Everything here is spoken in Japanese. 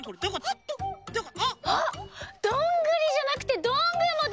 あっどんぐりじゃなくてどんぐーもでてきた！